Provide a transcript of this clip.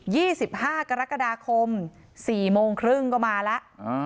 สิบห้ากรกฎาคมสี่โมงครึ่งก็มาแล้วอ่า